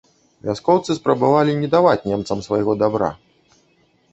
Вяскоўцы спрабавалі не даваць немцам свайго дабра.